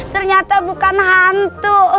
ternyata bukan hantu